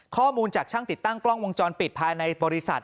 ข้อมูลจากช่างติดตั้งกล้องวงจรปิดภายในบริษัท